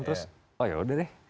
terus oh ya udah deh